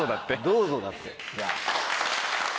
「どうぞ」だって。